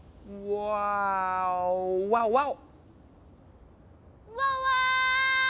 ワオワーオ！